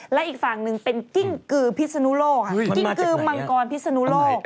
และอีกฝั่งหนึ่งเป็นกิ้งกือพิษนุโลกค่ะมันมาจากไหนอ่ะกิ้งกือมังกรพิษนุโลก